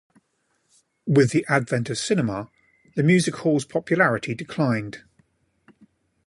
With the advent of cinema, the music hall's popularity declined.